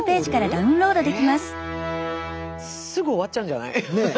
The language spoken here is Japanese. すぐ終わっちゃうんじゃない？ねえ。